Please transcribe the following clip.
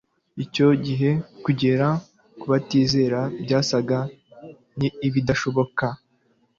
Icyo gihe kugera ku batizera byasaga n'ibidashoboka.